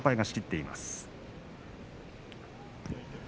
仕切っています。